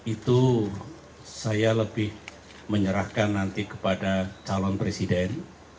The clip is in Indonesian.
itu saya lebih menyerahkan nanti kepada calon presiden